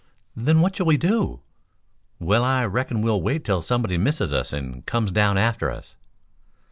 "Then what shall we do?" "Well, I reckon we'll wait till somebody misses us and comes down after us."